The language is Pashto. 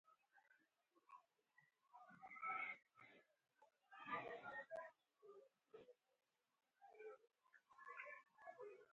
چې نازنين د ځان تيار کړي زه هېچېرې نه ځم .